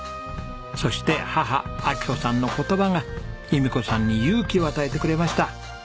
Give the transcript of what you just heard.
そして母昭子さんの言葉が弓子さんに勇気を与えてくれました。